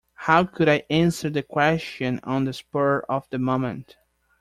How could I answer the question on the spur of the moment.